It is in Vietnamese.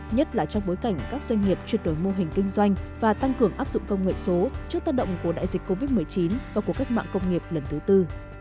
nhất là trong bối cảnh các doanh nghiệp chuyển đổi mô hình kinh doanh và tăng cường áp dụng công nghệ số trước tác động của đại dịch covid một mươi chín và cuộc cách mạng công nghiệp lần thứ tư